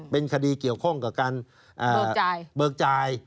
เป็นคดีเกี่ยวข้องกับการเบิกจ่าย